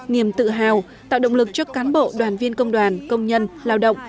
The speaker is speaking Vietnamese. niềm tự hào tạo động lực cho cán bộ đoàn viên công đoàn công nhân lao động